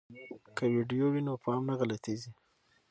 که ویډیو وي نو پام نه غلطیږي.